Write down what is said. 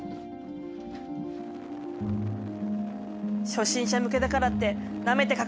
初心者向けだからっていや怖い。